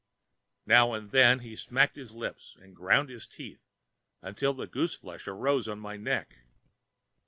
Now and then he smacked his lips and ground his teeth until the gooseflesh arose on my neck.